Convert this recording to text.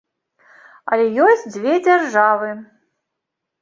Але ёсць дзве дзяржавы.